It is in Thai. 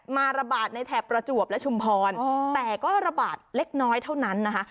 ระบาดในแถบประจวบและชุมพรแต่ก็ระบาดเล็กน้อยเท่านั้นนะคะ